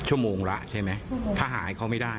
ชั่วโมงละใช่ไหมถ้าหายเขาไม่ได้